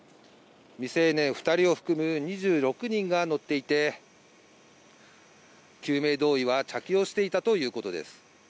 未成年２人を含む２６人が乗っていて、救命胴衣は着用していたということです。